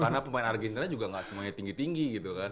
karena pemain argentina juga gak semuanya tinggi tinggi gitu kan